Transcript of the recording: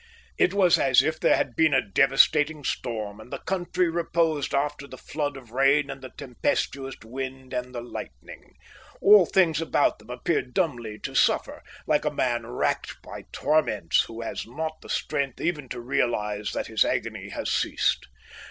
It was as if there had been a devastating storm, and the country reposed after the flood of rain and the tempestuous wind and the lightning. All things about them appeared dumbly to suffer, like a man racked by torments who has not the strength even to realize that his agony has ceased.